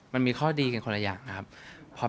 มันมีข้อดีกันคนละอย่างนะครับ